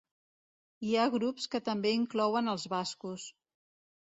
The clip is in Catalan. Hi ha grups que també inclouen als bascos.